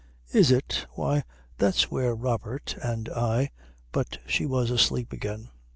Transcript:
"Is it? Why, that's where Robert and I " But she was asleep again.